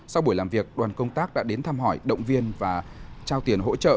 sau buổi làm việc đoàn công tác đã đến thăm hỏi động viên và trao tiền hỗ trợ